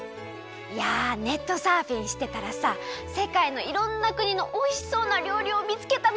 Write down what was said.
いやネットサーフィンしてたらさせかいのいろんなくにのおいしそうなりょうりをみつけたの。